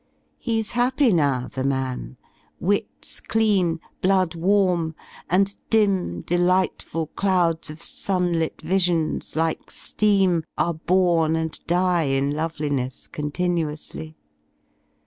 He*s happy now, the man: wits clean, blood warm, And dim delightful clouds of sunlit visions. Like fleam, are born and die in loveliness Continuously.